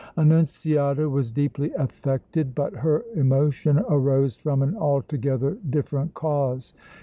Annunziata was deeply affected, but her emotion arose from an altogether different cause.